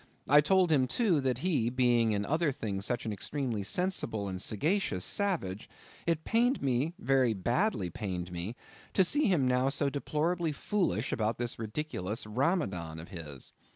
I told him, too, that he being in other things such an extremely sensible and sagacious savage, it pained me, very badly pained me, to see him now so deplorably foolish about this ridiculous Ramadan of his.